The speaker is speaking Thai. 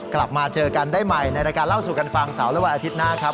กลับมาเจอกันได้ใหม่ในรายการเล่าสู่กันฟังเสาร์และวันอาทิตย์หน้าครับ